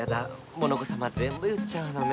モノコさまぜんぶ言っちゃうのね！